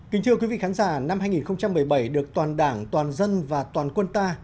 kính chào quý vị khán giả năm hai nghìn một mươi bảy được toàn đảng toàn dân và toàn quân ta